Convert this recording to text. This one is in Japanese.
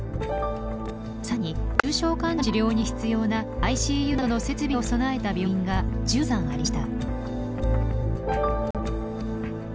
更に重症患者の治療に必要なＩＣＵなどの設備を備えた病院が１３ありました。